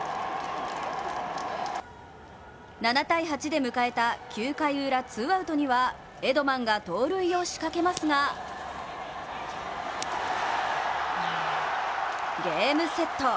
７−８で迎えた９回ウラツーアウトにはエドマンが盗塁を仕掛けますがゲームセット！